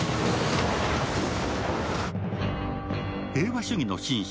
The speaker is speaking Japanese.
平和主義の紳士